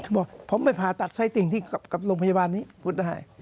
บอกผมไปผ่าตัดไส้ติ่งที่กับโรงพยาบาลนี้พูดได้